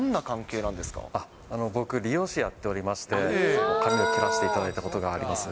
僕、美容師やっておりまして、髪を切らせていただいたことがあります。